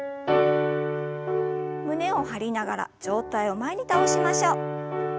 胸を張りながら上体を前に倒しましょう。